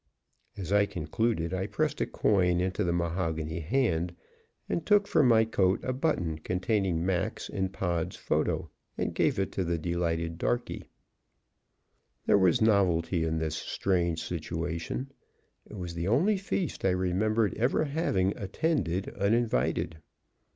As I concluded I pressed a coin into the mahogany hand, and took from my coat a button containing Mac's and Pod's photo, and gave it to the delighted darkey. There was novelty in this strange situation. It was the only feast I remembered ever having attended uninvited.